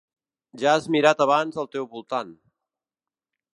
Ja has mirat abans al teu voltant.